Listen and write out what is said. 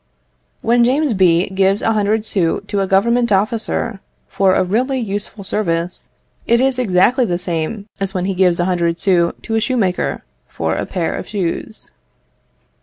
When James B. gives a hundred sous to a Government officer for a really useful service, it is exactly the same as when he gives a hundred sous to a shoemaker for a pair of shoes.